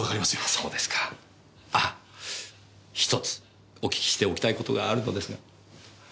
あっ１つお聞きしておきたいことがあるのですが。